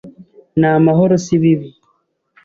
Ni amahoro si ibibi,